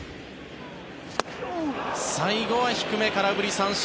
最後は低め、空振り三振。